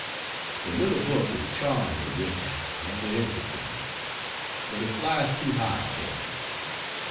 The little book is charmingly written, and it interested me. But it flies too high for me.